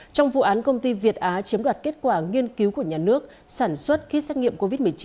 trong vụ án công ty việt á chiếm đoạt kết quả nghiên cứu của nhà nước sản xuất khi xét nghiệm covid một mươi chín